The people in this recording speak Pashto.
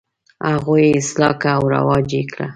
هغوی یې اصلاح کړه او رواج یې کړ.